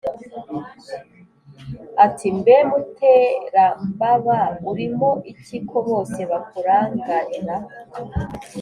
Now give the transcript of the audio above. ati"mbe muterambaba urimo iki ko bose bakurangarira"